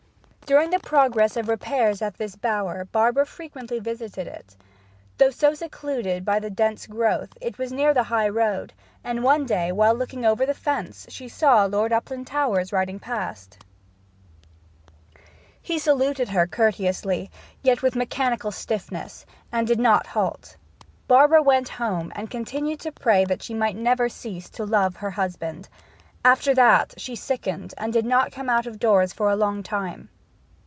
During the progress of repairs at this bower Barbara frequently visited it. Though so secluded by the dense growth, it was near the high road, and one day while looking over the fence she saw Lord Uplandtowers riding past. He saluted her courteously, yet with mechanical stiffness, and did not halt. Barbara went home, and continued to pray that she might never cease to love her husband. After that she sickened, and did not come out of doors again for a long time.